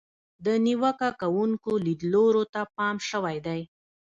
د نیوکه کوونکو لیدلورو ته پام شوی دی.